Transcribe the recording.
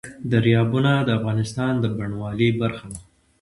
دریابونه د افغانستان د بڼوالۍ برخه ده.